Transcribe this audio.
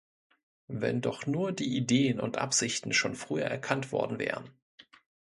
Wenn doch nur die Ideen und Absichten schon früher erkannt worden wären.